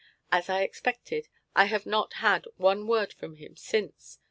As I expected, I have not had one word from him since.